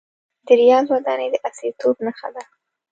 د ریاض ودانۍ د عصریتوب نښه ده.